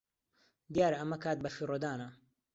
دیارە ئەمە کات بەفیڕۆدانە.